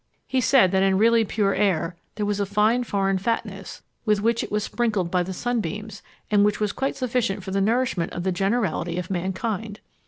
He said that in really pure air "there was a fine foreign fatness," with which it was sprinkled by the sunbeams, and which was quite sufficient for the nourishment of the generality of mankind.